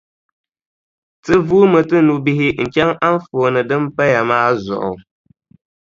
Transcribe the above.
Ti vuumi ti nubihi n-chaŋ anfooni din paya maa zuɣu.